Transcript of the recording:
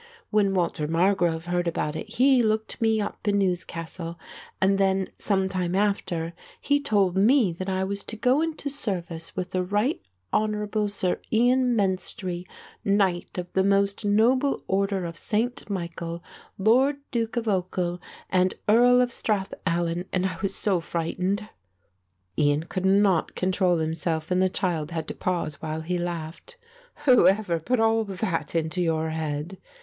When Walter Margrove heard about it he looked me up in Newcastle and then, some time after, he told me that I was to go into service with the Right Honourable Sir Ian Menstrie, Knight of the Most Noble Order of St. Michael, Lord Duke of Ochil and Earl of Strath Allan, and I was so frightened." Ian could not control himself and the child had to pause while he laughed. "Whoever put all that into your head?